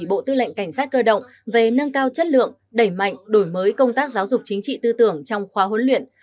bộ tư lệnh cảnh sát cơ động về nâng cao chất lượng đẩy mạnh đổi mới công tác giáo dục chính trị tư tưởng trong khóa huấn luyện